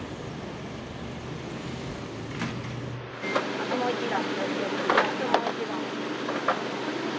あともう一段。